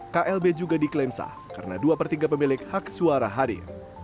klb juga diklaim sah karena dua per tiga pemilik hak suara hadir